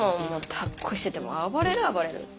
だっこしてても暴れる暴れる。